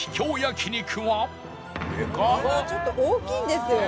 これはちょっと大きいんですよ。